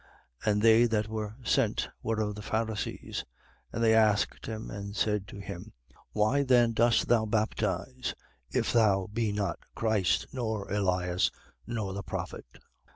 1:24. And they that were sent were of the Pharisees. 1:25. And they asked him and said to him: Why then dost thou baptize, if thou be not Christ, nor Elias, nor the prophet?